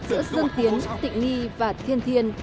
giữa dương tiến tịnh nghi và thiên thiên